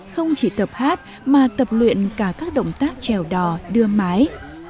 không chỉ tập hát mà tập luyện cả các động tác trèo đò đưa mái